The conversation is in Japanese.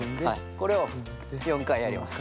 これを４回やります。